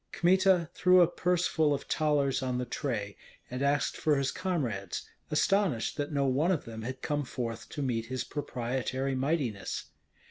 Kmita threw a purse full of thalers on the tray, and asked for his comrades, astonished that no one of them had come forth to meet his proprietary mightiness.